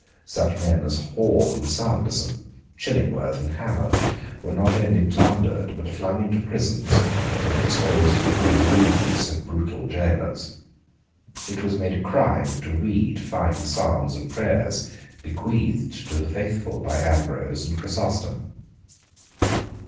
Such men as Hall and Sanderson, Chillingworth and Hammond, were not only plundered, but flung into prisons, and exposed to all the rudeness of brutal gaolers. It was made a crime to read fine psalms and prayers bequeathed to the faithful by Ambrose and Chrysostom.